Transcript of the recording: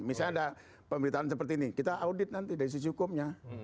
misalnya ada pemberitaan seperti ini kita audit nanti dari sisi hukumnya